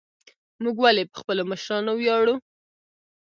موږ ولې په خپلو مشرانو ویاړو؟